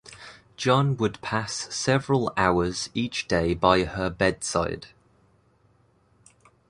John would pass several hours each day by her bedside.